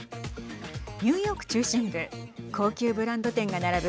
ニューヨーク中心部高級ブランド店が並ぶ